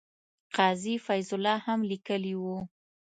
قاضي فیض الله هم لیکلي وو.